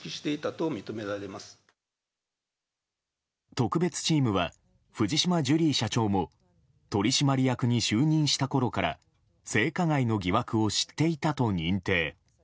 特別チームは藤島ジュリー社長も取締役に就任したころから性加害の疑惑を知っていたと認定。